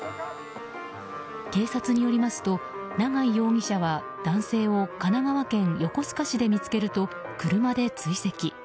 警察によりますと永井容疑者は男性を神奈川県横須賀市で見つけると車で追跡。